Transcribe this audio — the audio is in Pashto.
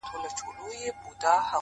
دوه وړونه درېيم ئې حساب.